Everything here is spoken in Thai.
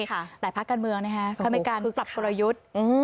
หลายภาคการเมืองเขามีการปรับกลยุทธ์